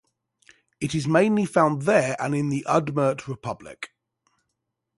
It is mainly found there and in the Udmurt Republic.